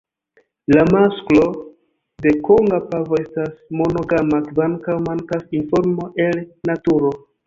La masklo de Konga pavo estas monogama, kvankam mankas informo el naturo.